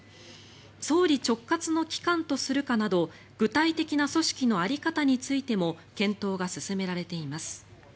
総理直轄の機関とするかなど具体的な組織の在り方についても検討が進められています。